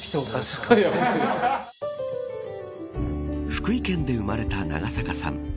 福井県で生まれた長坂さん